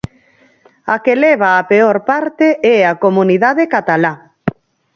A que leva a peor parte é a comunidade catalá.